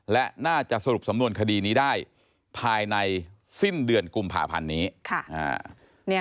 และน่าจะสรุปสำนวนคดีนี้ได้ภายในสิ้นเดือนกุมภาพันธ์นี้